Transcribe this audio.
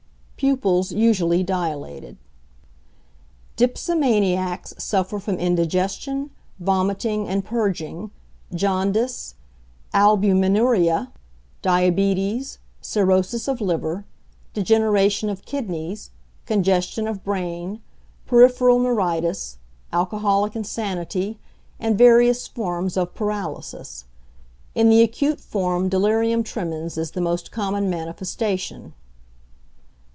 Pupils usually dilated. Dipsomaniacs suffer from indigestion, vomiting and purging, jaundice, albuminuria, diabetes, cirrhosis of liver, degeneration of kidneys, congestion of brain, peripheral neuritis, alcoholic insanity, and various forms of paralysis. In the acute form delirium tremens is the most common manifestation.